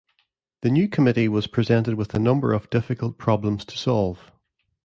The new committee was presented with a number of difficult problems to solve.